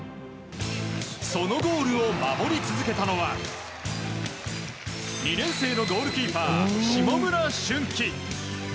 そのゴールを守り続けたのは２年生のゴールキーパー下村駿季。